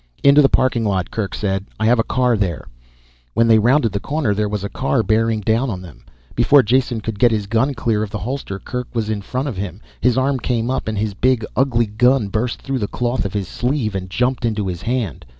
"Into the parking lot," Kerk said. "I have a car there." When they rounded the corner there was a car bearing down on them. Before Jason could get his gun clear of the holster Kerk was in front of him. His arm came up and his big ugly gun burst through the cloth of his sleeve and jumped into his hand.